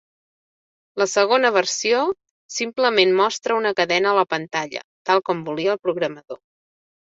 La segona versió simplement mostra una cadena a la pantalla, tal com volia el programador.